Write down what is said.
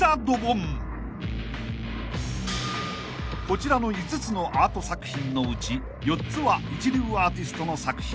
［こちらの５つのアート作品のうち４つは一流アーティストの作品］